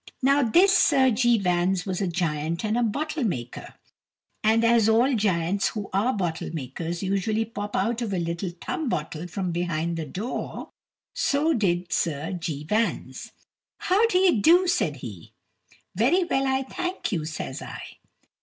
Now this Sir G. Vans was a giant, and a bottle maker. And as all giants who are bottle makers usually pop out of a little thumb bottle from behind the door, so did Sir G. Vans. "How d'ye do?" says he. "Very well, I thank you," says I.